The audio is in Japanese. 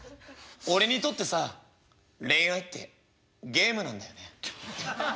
「俺にとってさ恋愛ってゲームなんだよね。